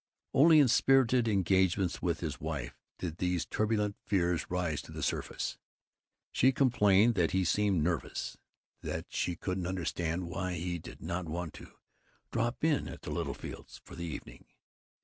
Only in spirited engagements with his wife did these turbulent fears rise to the surface. She complained that he seemed nervous, that she couldn't understand why he did not want to "drop in at the Littlefields'" for the evening.